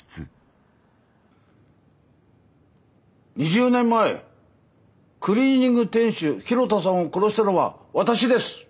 ２０年前クリーニング店主広田さんを殺したのは私です。